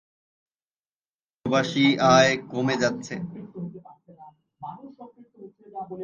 প্রবাসী আয় কমে যাচ্ছে।